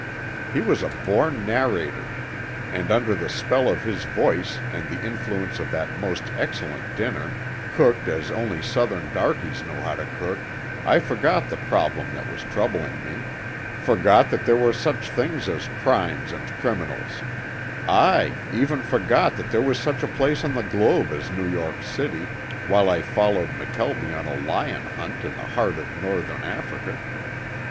He was a born narrator, and under the spell of his voice and the influence of that most excellent dinner, cooked as only Southern darkies know how to cook, I forgot the problem that was troubling me, forgot that there were such things as crimes and criminals; aye, even forgot that there was such a place on the globe as New York City, while I followed McKelvie on a lion hunt in the heart of northern Africa.